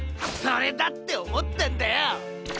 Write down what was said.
それだっておもったんだよ。